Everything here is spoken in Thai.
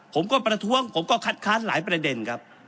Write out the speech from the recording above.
ประท้วงผมก็คัดค้านหลายประเด็นครับ